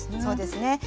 そうですね。